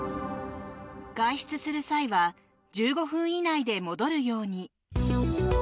外出する際は１５分以内で戻るように。